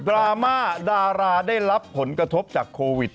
ราม่าดาราได้รับผลกระทบจากโควิด